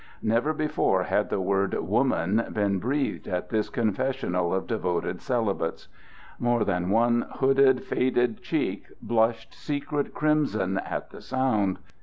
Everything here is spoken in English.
Never before had the word "woman" been breathed at this confessional of devoted celibates. More than one hooded, faded cheek blushed secret crimson at the sound.